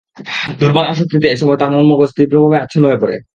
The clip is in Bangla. দুর্বার আসক্তিতে এ সময় তার মন-মগজ তীব্রভাবে আচ্ছন্ন হয়ে পড়ে।